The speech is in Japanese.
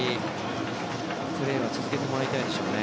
プレーは続けてもらいたいですよね。